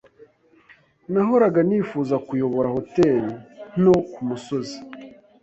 Nahoraga nifuza kuyobora hoteri nto kumusozi.